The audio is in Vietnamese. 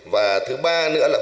và thứ ba nữa là vấn đề về